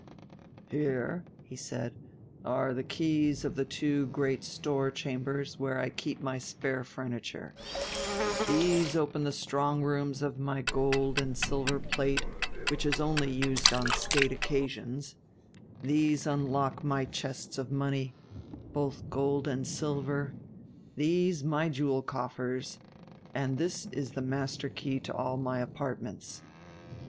'Here,' said he, 'are the keys of the two great store chambers where I keep my spare furniture; these open the strong rooms of my gold and silver plate which is only used on state occasions; these unlock my chests of money, both gold and silver; these, my jewel coffers; and this is the master key to all my apartments.